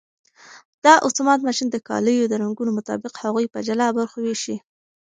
دا اتومات ماشین د کالیو د رنګونو مطابق هغوی په جلا برخو ویشي.